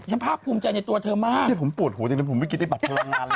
ฉันพลาดภูมิใจในตัวเธอมากเนี้ยผมปวดหัวจริงผมไม่กินได้บัตรพลังงานเลย